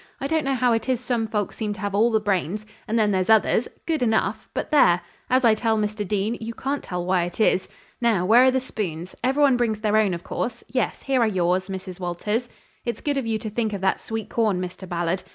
I don't know how it is some folks seem to have all the brains, and then there's others good enough but there! As I tell Mr. Dean, you can't tell why it is. Now where are the spoons? Every one brings their own, of course; yes, here are yours, Mrs. Walters. It's good of you to think of that sweet corn, Mr. Ballard.